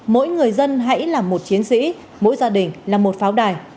mỗi người dân hãy là một chiến sĩ mỗi gia đình là một pháo đài